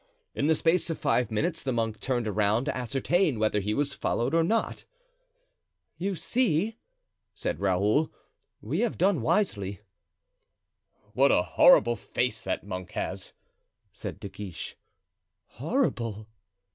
In the space of five minutes the monk turned around to ascertain whether he was followed or not. "You see," said Raoul, "we have done wisely." "What a horrible face that monk has," said De Guiche. "Horrible!"